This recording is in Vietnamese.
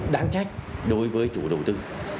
đáng trách đối với chủ đầu tư